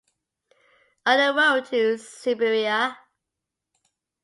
On the road to Siberia.